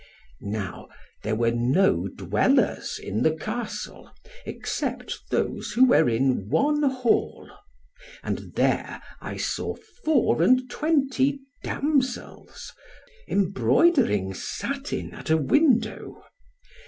Now there were no dwellers in the Castle, except those who were in one hall. And there I saw four and twenty damsels, embroidering satin, at a window.